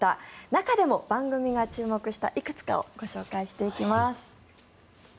中でも番組が注目したいくつかをご紹介していきます。